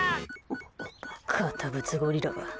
堅物ゴリラが。